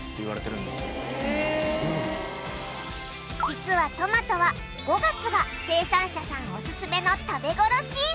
実はトマトは５月が生産者さんオススメの食べ頃シーズン。